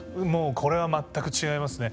これは全く違いますね。